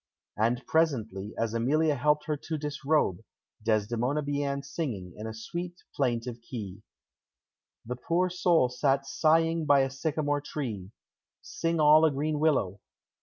And presently, as Emilia helped her to disrobe, Desdemona began singing in a sweet, plaintive key: "The poor soul sat sighing by a sycamore tree, Sing all a green willow!